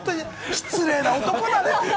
失礼な男だね。